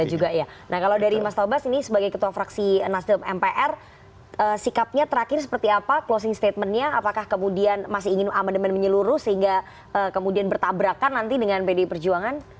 nah kalau dari mas tobas ini sebagai ketua fraksi nasdem mpr sikapnya terakhir seperti apa closing statementnya apakah kemudian masih ingin amandemen menyeluruh sehingga kemudian bertabrakan nanti dengan pdi perjuangan